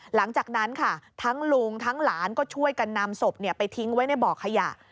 หลังจากนั้นค่ะทั้งลุงทั้งหลานก็ช่วยกันนำศพไปทิ้งไว้ในบ่อขยะ